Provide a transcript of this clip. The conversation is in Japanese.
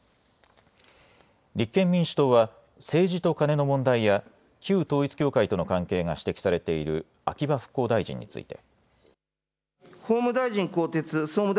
立憲民主党は政治とカネの問題や旧統一教会との関係が指摘されている秋葉復興大臣について。